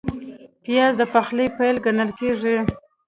پیاز د پخلي پیل ګڼل کېږي